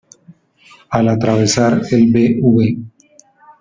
Al atravesar el Bv.